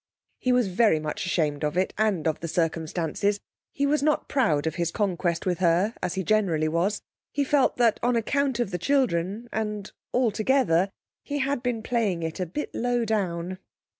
He was very much ashamed of it and of the circumstances; he was not proud of his conquest with her, as he generally was. He felt that on account of the children, and altogether, he had been playing it a bit low down.